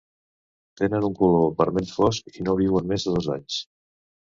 Tenen un color vermell fosc, i no viuen més de dos anys.